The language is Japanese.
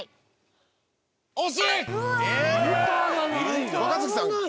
惜しい！